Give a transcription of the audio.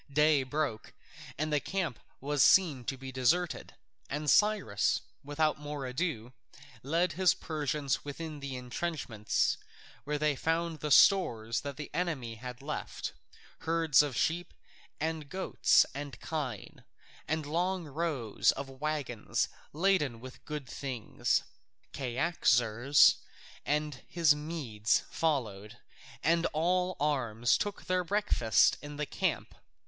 Day broke, and the camp was seen to be deserted, and Cyrus, without more ado, led his Persians within the entrenchments, where they found the stores that the enemy had left: herds of sheep and goats and kine, and long rows of waggons laden with good things. Cyaxares and his Medes followed, and all arms took their breakfast in the camp.